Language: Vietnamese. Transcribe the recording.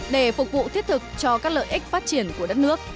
để phục vụ thiết thực cho các lợi ích phát triển của đất nước